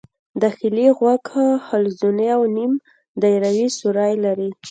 داخلي غوږ حلزوني او نیم دایروي سوري لري.